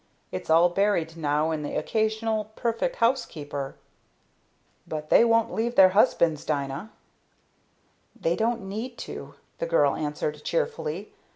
It's all buried now in the occasional 'perfect housekeeper.' "But they won't leave their husbands, Dina." "They don't need to," the girl answered cheerfully.